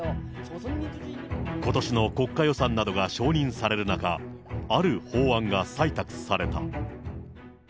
ことしの国家予算などが承認される中、ある法案が採択された。